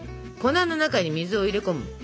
粉の中に水を入れ込む。